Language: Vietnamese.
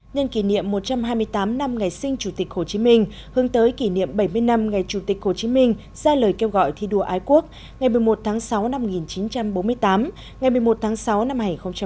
nhân kỷ niệm một trăm hai mươi tám năm ngày sinh chủ tịch hồ chí minh hướng tới kỷ niệm bảy mươi năm ngày chủ tịch hồ chí minh ra lời kêu gọi thi đua ái quốc ngày một mươi một tháng sáu năm một nghìn chín trăm bốn mươi tám ngày một mươi một tháng sáu năm hai nghìn một mươi chín